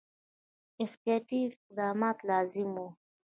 احتیاطي اقدامات لازم وه.